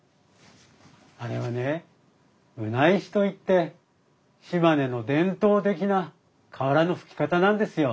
あれはね棟石といって島根の伝統的な瓦の葺き方なんですよ。